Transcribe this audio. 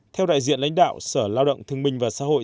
theo đại diện lãnh đạo sở lao động thương minh và xã hội